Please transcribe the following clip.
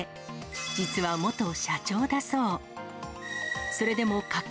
実は元社長だそう。